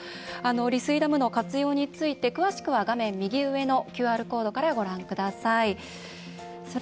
利水ダムの活用について詳しくは画面右上のＱＲコードからご覧ください。